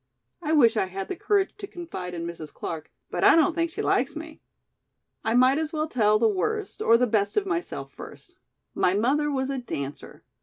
I wish I had the courage to confide in Mrs. Clark, but I don't think she likes me. "I might as well tell the worst or the best of myself first. My mother was a dancer.